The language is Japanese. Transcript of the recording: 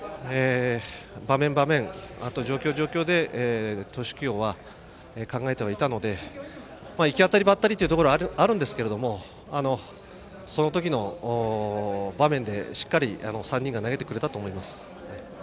場面場面、状況状況で投手起用は考えてはいたので行き当たりばったりというところもあるんですがその時の場面でしっかり３人が投げてくれたと思います。